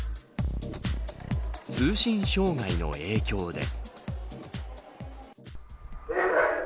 通信障害の影響で。